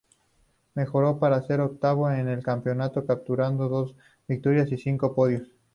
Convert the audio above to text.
Mejoró para ser octavo en el campeonato, capturando dos victorias y cinco podios.